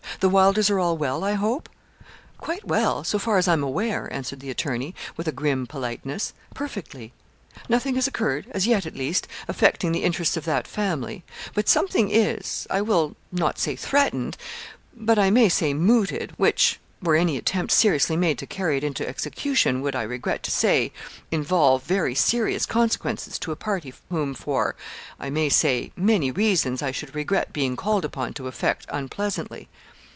The Wylders are all well, I hope?' 'Quite well, so far as I am aware,' answered the attorney, with a grim politeness; 'perfectly. Nothing has occurred, as yet at least, affecting the interests of that family; but something is I will not say threatened but I may say mooted, which, were any attempt seriously made to carry it into execution, would, I regret to say, involve very serious consequences to a party whom for, I may say, many reasons, I should regret being called upon to affect unpleasantly.'